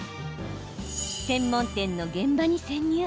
専門店の現場に潜入。